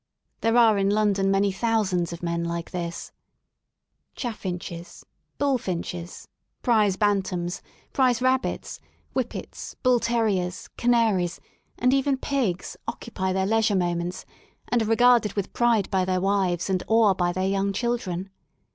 There are in London many thousands of men like this* Chaffinches, bullfinches, prize bantams, prize rabbits, whippets, bull terriers, canaries, and even pigs occupy '^5 i { THE SOUL OF LONDON 1 their leisure moments, and are regarded with pride by (their wives, and awe by their young children.